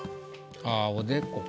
ああおでこか。